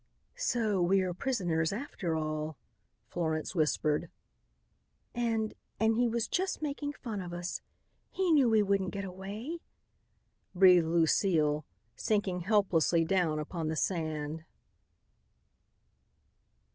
"So we are prisoners after all," Florence whispered. "And, and he was just making fun of us. He knew we couldn't get away," breathed Lucile, sinking hopelessly down upon the sand.